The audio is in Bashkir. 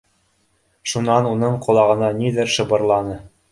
Шунан уның ҡолағына ниҙер шыбырланы.